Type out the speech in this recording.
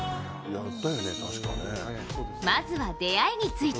まずは出会いについて。